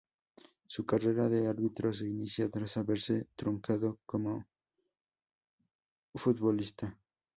Su carrera de árbitro se inicia tras haberse truncado una como futbolista.